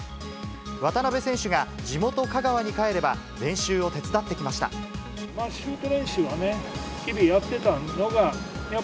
渡邊選手が地元、香川に帰れば、シュート練習はね、日々やっ